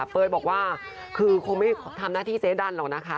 เป้ยบอกว่าคือคงไม่ทำหน้าที่เจ๊ดันหรอกนะคะ